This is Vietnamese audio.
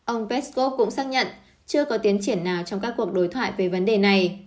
ông peskov cũng xác nhận chưa có tiến triển nào trong các cuộc đối thoại về vấn đề này